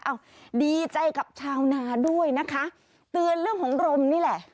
ดีใจกับชาวนาด้วยนะคะเตือนเรื่องของรมนี่แหละ